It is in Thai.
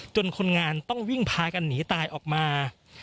คนงานต้องวิ่งพากันหนีตายออกมา